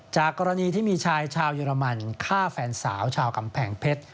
กรณีที่มีชายชาวเยอรมันฆ่าแฟนสาวชาวกำแพงเพชร